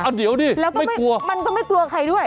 อ่ะเดี๋ยวนี่ไม่กลัวมันก็ไม่กลัวใครด้วย